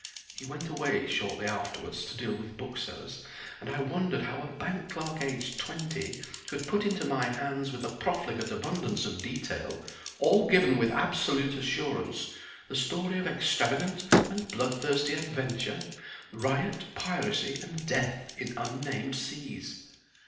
He went away shortly afterward to deal with booksellers, and I wondered how a bank clerk aged twenty could put into my hands with a profligate abundance of detail, all given with absolute assurance, the story of extravagant and bloodthirsty adventure, riot, piracy, and death in unnamed seas.